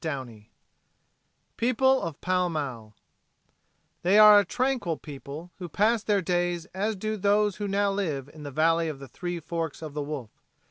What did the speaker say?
V The People of Pall Mall They are a tranquil people who pass their days as do those who now live in the "Valley of the Three Forks o' the Wolf."